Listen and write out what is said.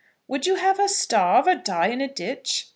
"Would you have her starve, or die in a ditch?"